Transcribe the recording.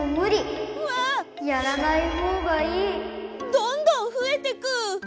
どんどんふえてく！